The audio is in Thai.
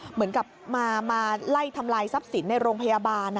เหมือนกับมาไล่ทำลายทรัพย์สินในโรงพยาบาล